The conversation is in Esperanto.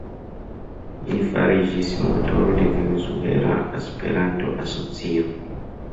Li fariĝis motoro de Venezuela Esperanto-Asocio.